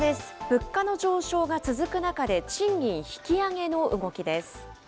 物価の上昇が続く中で、賃金引き上げの動きです。